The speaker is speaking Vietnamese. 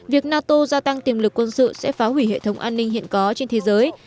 việc nato gia tăng tiềm lực quân sự sẽ phá hủy hệ thống an ninh hiện có trên thế giới